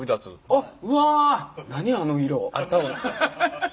あっ。